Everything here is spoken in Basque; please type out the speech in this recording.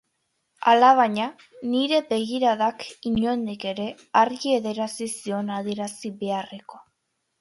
Alabaina, nire begiradak, inondik ere, argi adierazi zion adierazi beharrekoa.